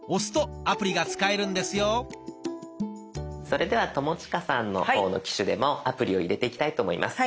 それでは友近さんの方の機種でもアプリを入れていきたいと思います。